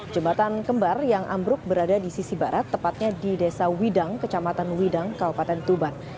jembatan kembar yang ambruk berada di sisi barat tepatnya di desa widang kecamatan widang kabupaten tuban